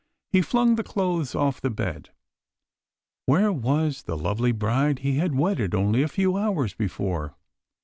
He flung the clothes off the bed. Where was the lovely bride he had wedded only a few hours before?